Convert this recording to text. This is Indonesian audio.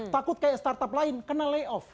takut kayak startup lain kena lay off